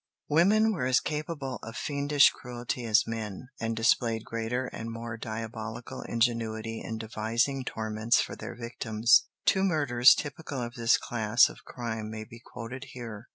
Women were as capable of fiendish cruelty as men, and displayed greater and more diabolical ingenuity in devising torments for their victims. Two murders typical of this class of crime may be quoted here.